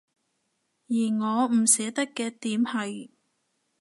而我唔捨得嘅點係